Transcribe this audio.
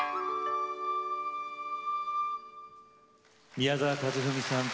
宮沢和史さん